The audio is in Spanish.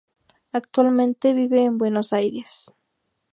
Actualmente vive en Buenos Aires.